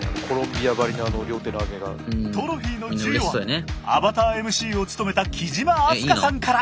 トロフィーの授与はアバターＭＣを務めた貴島明日香さんから！